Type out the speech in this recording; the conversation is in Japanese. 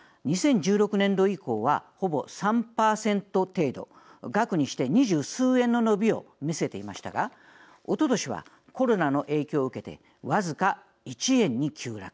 ２０１６年度以降はほぼ３％程度額にして２０数円の伸びを見せていましたがおととしはコロナの影響を受けて僅か１円に急落。